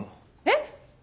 えっ！